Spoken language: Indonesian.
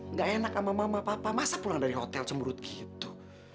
nggak enak sama mama papa masa pulang dari hotel cemburu gitu